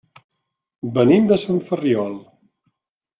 Venim de Sant Ferriol.